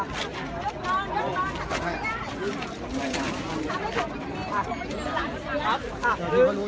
ก็ไม่มีใครกลับมาเมื่อเวลาอาทิตย์เกิดขึ้น